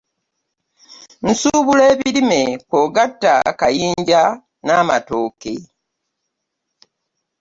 Nsubula ebirime kw'ogattako kayinja n'amatooke.